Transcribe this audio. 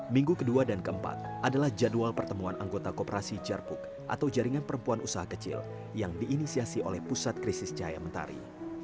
minggu kedua dan keempat adalah jadwal pertemuan anggota koperasi jarpuk atau jaringan perempuan usaha kecil yang diinisiasi oleh pusat krisis cahaya mentari